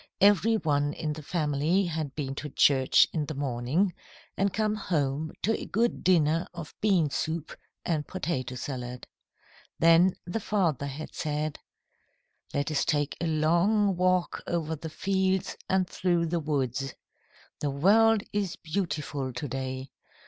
Every one in the family had been to church in the morning, and come home to a good dinner of bean soup and potato salad. Then the father had said: "Let us take a long walk over the fields and through the woods. The world is beautiful to day.